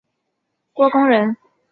郭躬人。